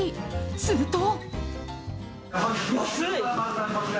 すると。